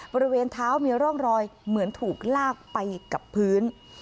บริเวณเท้ามีร่องรอยเหมือนถูกลากไปกับพื้น